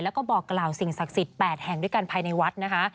แล้วก็บอกกล่าวสิ่งศักดิ์สิทธิ์๘แห่งด้วยกันภายในวัดนะคะ